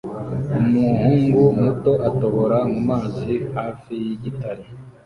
Umuhungu muto atobora mumazi hafi yigitare